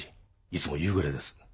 いつも夕暮れです。